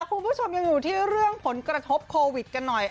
คุณผู้ชมยังอยู่ที่เรื่องผลกระทบโควิดกันหน่อย